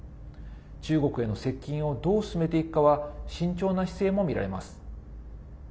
中国への接近をどう進めていくかは慎重な姿勢も見られます。